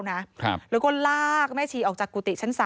แล้วก็ลากแม่ชีออกจากกุฏิชั้น๓